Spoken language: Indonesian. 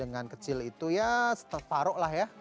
dengan kecil itu ya terparuh lah ya